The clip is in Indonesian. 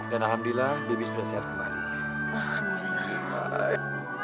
dan alhamdulillah bibi sudah sihat kembali